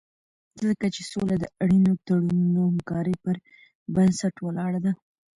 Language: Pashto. ځکه چې سوله د اړینو تړونونو او همکارۍ پر بنسټ ولاړه ده.